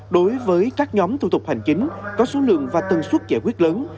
đối với các nhóm thu tục hành chính có số lượng và tân suất giải quyết lớn